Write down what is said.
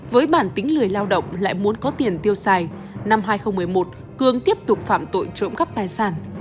với bản tính lười lao động lại muốn có tiền tiêu xài năm hai nghìn một mươi một cương tiếp tục phạm tội trộm cắp tài sản